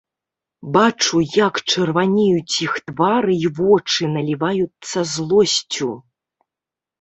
Бачу, як чырванеюць іх твары і вочы наліваюцца злосцю.